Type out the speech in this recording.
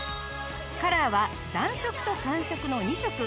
カラーは暖色と寒色の２色。